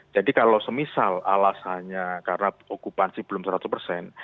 jadi kalau semisal alasannya karena okupansi belum seratus persen